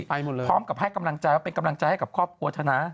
พร้อมกับให้กำลังใจเป็นกำลังใจให้กับครอบครัวทนา